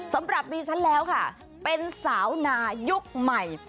สำหรับดิฉันแล้วค่ะเป็นสาวนายุคใหม่